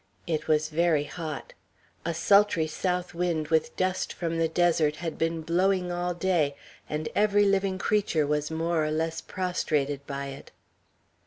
It was very hot; a sultry south wind, with dust from the desert, had been blowing all day, and every living creature was more or less prostrated by it.